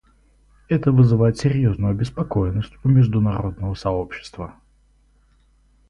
Это вызывает серьезную обеспокоенность у международного сообщества.